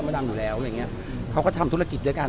ดำอยู่แล้วอย่างเงี้ยเขาก็ทำธุรกิจด้วยกัน